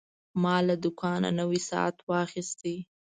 ما له دوکانه نوی ساعت واخیست.